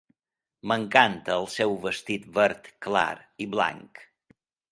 M'encanta el seu vestit verd clar i blanc.